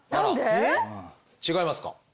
違いますか？